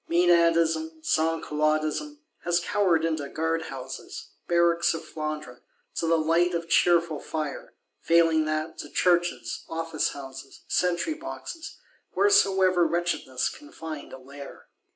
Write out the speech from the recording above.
Menadism, Sansculottism has cowered into guard houses, barracks of Flandre, to the light of cheerful fire; failing that, to churches, office houses, sentry boxes, wheresoever wretchedness can find a lair.